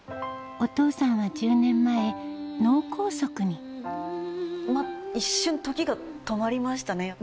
お父さんは１０年前脳梗塞に一瞬時が止まりましたね。